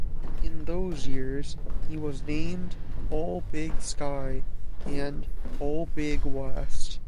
In those years he was named All-Big Sky and All-Big West.